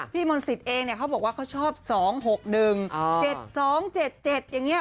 พี่มนติศเองเขาบอกว่าเขาชอบ๒๖๑๗๒๗๗อย่างนี้